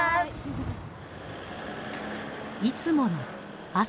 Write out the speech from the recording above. いつもの朝。